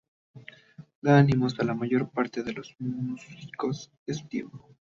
Da ánimos a la mayor parte de los músicos de su tiempo.